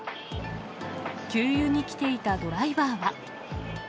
給油に来ていたドライバーは。